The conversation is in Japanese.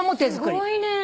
すごいね。